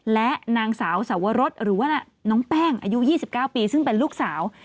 และนางสาวสวรสหรือว่าน้องแป้งอายุ๒๙ปีซึ่งเป็นลูกสาว